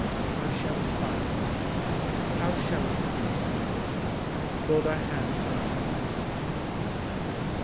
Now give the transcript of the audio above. Where shall we Bud her. how shall we sing to her, Fold our hands round her knees and cling.